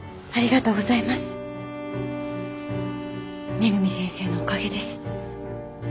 恵先生のおかげです。